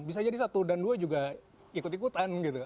bisa jadi satu dan dua juga ikut ikutan gitu